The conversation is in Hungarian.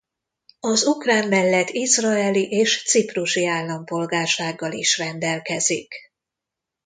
Az ukrán mellett izraeli és ciprusi állampolgársággal is rendelkezik.